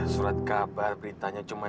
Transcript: surat kabar beritanya cukup